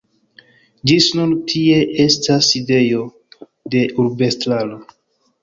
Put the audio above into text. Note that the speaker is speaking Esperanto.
Ĝis nun tie estas sidejo de urbestraro.